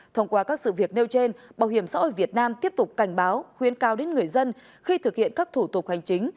thông qua các sự việc nêu trên bảo hiểm xã hội việt nam tiếp tục cảnh báo khuyên cao đến người dân khi thực hiện các thủ tục hành chính